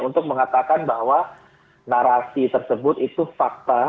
untuk mengatakan bahwa narasi tersebut itu fakta